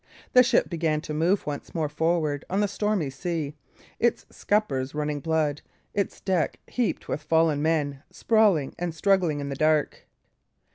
The ship began to move once more forward on the stormy sea, its scuppers running blood, its deck heaped with fallen men, sprawling and struggling in the dark.